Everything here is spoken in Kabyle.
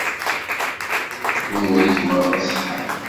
Lumuṛ-ik merra ṣeḥḥan.